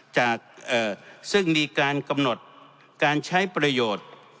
ซึ่งมีการกำหนดการใช้ประโยชน์